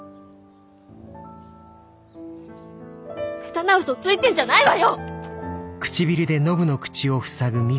ヘタな嘘ついてんじゃないわよ！